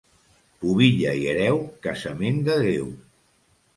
Pubilla i hereu: casament de Déu.